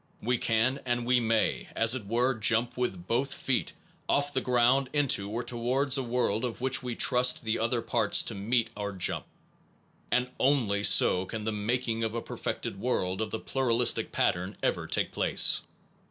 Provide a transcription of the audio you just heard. We can and we may, as it were, jump with both feet off the ground into or towards a world of which we trust the other parts to meet our jump and only so can the making of a perfected world of the pluralis tic pattern ever take place.